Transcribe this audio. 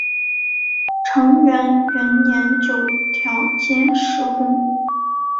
承元元年九条兼实薨。